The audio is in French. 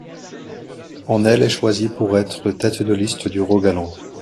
En elle est choisie pour être tête de liste du Rogaland.